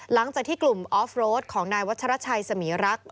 หลังจากที่กลุ่มออฟโรดของนายวัชรชัยสมีรักษ